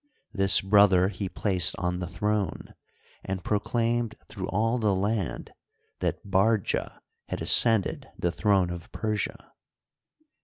This brother he placed on the throne, and proclaimed througfh all the land that Bardia had ascended the throne of Persia.